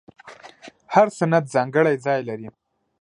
هر سند ځانګړی ځای لري.